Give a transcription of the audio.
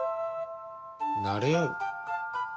なれ合う？